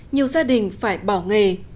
nhiều gia đình phải bỏ nghề